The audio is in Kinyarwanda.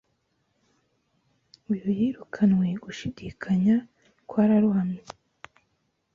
Uyu yirukanwe gushidikanya kwararohamye